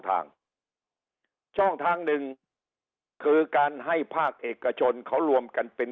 ทางช่องทางหนึ่งคือการให้ภาคเอกชนเขารวมกันเป็น